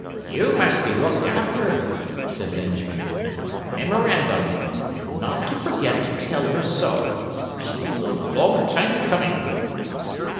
'You must be looked after,' said Benjamin. 'Memorandum, not to forget to tell her so. She's a long time coming!